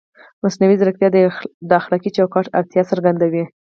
مصنوعي ځیرکتیا د اخلاقي چوکاټ اړتیا څرګندوي.